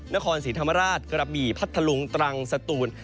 นครศรีธรรมราชกระบี่พัทธลุงตรังสตูน